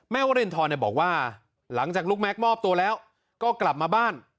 วรินทรบอกว่าหลังจากลูกแม็กซมอบตัวแล้วก็กลับมาบ้าน